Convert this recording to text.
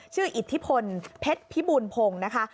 ชื่ออิทธิพลเพ็ดพิบุญพงนะคะ